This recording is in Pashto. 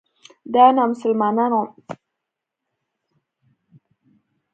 دا نامسلمانان عمدتاً غربیان دي.